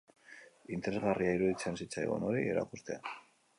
Interesgarria iruditzen zitzaigun hori erakustea.